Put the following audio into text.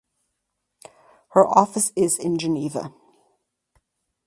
Her office is in Geneva.